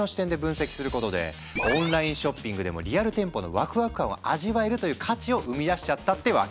オンラインショッピングでもリアル店舗のワクワク感を味わえるという価値を生み出しちゃったってわけ。